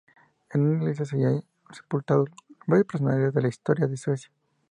En su iglesia se hallan sepultados varios personajes de la historia de Suecia.